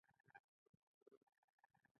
له الله نه خير او عافيت وغواړئ.